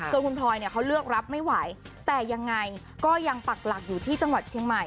คุณพลอยเนี่ยเขาเลือกรับไม่ไหวแต่ยังไงก็ยังปักหลักอยู่ที่จังหวัดเชียงใหม่